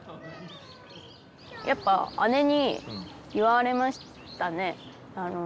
やっぱ姉に言われましたね。